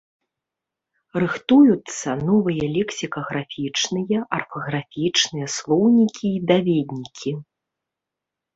Рыхтуюцца новыя лексікаграфічныя, арфаграфічныя слоўнікі і даведнікі.